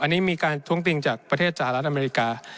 อันนี้มีการท้วงติงจากประเทศสหรัฐอเมริกา